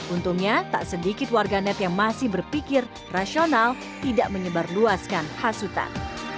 untungnya tak sedikit warganet yang masih berpikir rasional tidak menyebarluaskan hasutan